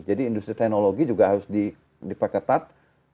jadi industri teknologi juga harus diperketat